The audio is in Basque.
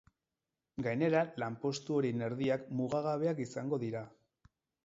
Gainera, lanpostu horien erdiak mugagabeak izango dira.